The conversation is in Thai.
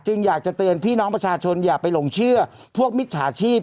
อยากจะเตือนพี่น้องประชาชนอย่าไปหลงเชื่อพวกมิจฉาชีพ